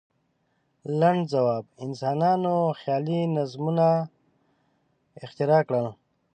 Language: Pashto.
لنډ ځواب: انسانانو خیالي نظمونه اختراع کړل.